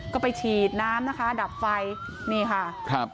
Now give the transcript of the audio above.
ก็ไปฉีดน้ำนะคะดับไฟนี่ค่ะครับ